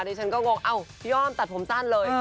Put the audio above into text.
ที่ฉันก็งงพี่อ้อมตัดผมสั้นเลย